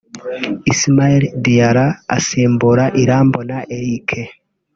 Ismaila Diarra asimbura Irambona Eric